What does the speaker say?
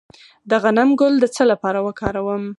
د غنم ګل د څه لپاره وکاروم؟